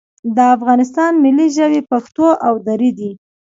د افغانستان ملي ژبې پښتو او دري دي